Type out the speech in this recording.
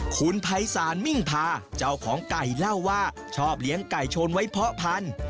คุณภัยศาลมิ่งพาเจ้าของไก่เล่าว่าชอบเลี้ยงไก่ชนไว้เพาะพันธุ์